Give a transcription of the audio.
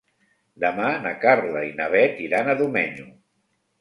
Demà na Carla i na Bet iran a Domenyo.